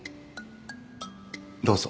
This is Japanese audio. どうぞ